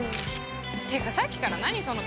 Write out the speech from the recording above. てかさっきから何そのかけ声？